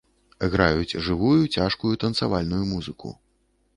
Граюць жывую цяжкую танцавальную музыку.